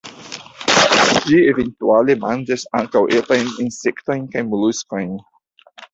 Ĝi eventuale manĝas ankaŭ etajn insektojn kaj moluskojn.